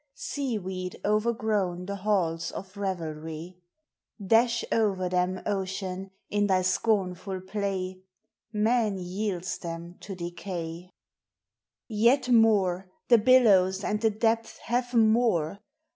Sea weed oYrgrown the halls of revelry. v •_>•"> 38G POEMS OF XATURE. Dash o'er them, Ocean, in thy scornful play ! Man yields them to decay. Yet more, the billows and the depths have more!